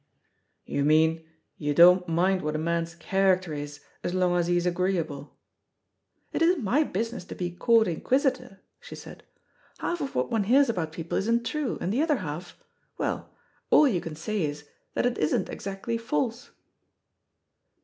"You mean you don't mind what a man's character is as long as he's agreeable." "It isn't my business to be court inquisitor," she said. "Half of what one hears about people isn't true, and the other half well, all you can say is, that it isn't exactly false."